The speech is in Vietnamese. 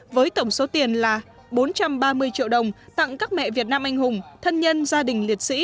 với tổng số tiền là bốn trăm ba mươi triệu đồng tặng các mẹ việt nam anh hùng thân nhân gia đình liệt sĩ